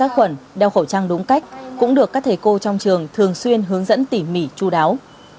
khuẩn đeo khẩu trang đúng cách cũng được các thầy cô trong trường thường xuyên hướng dẫn tỉ mỉ chú đáo